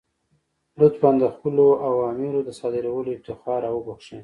لطفا د خپلو اوامرو د صادرولو افتخار را وبخښئ.